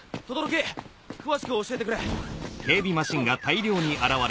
轟詳しく教えてくれ。